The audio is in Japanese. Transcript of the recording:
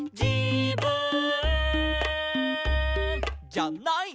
「じゃない」